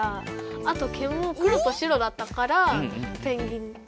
あと毛も黒と白だったからペンギンって。